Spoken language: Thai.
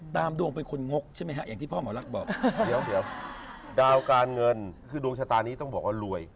ตามดวงเป็นคนงกใช่ไม่ฮะอย่างที่พ่อหมอลักบอก